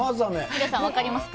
皆さん、分かりますか？